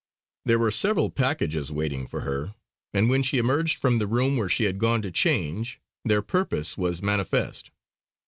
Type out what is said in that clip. There were several packages waiting for her, and when she emerged from the room where she had gone to change, their purpose was manifest.